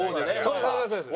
そうですそうです。